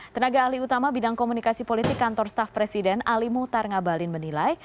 tenaga ahli utama bidang komunikasi politik kantor staff presiden ali muhtar ngabalin menilai